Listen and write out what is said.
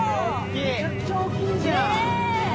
めちゃくちゃ大きいじゃん。